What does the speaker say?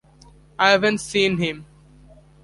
I haven't seen him.